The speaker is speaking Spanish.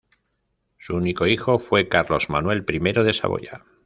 Su único hijo fue Carlos Manuel I de Saboya.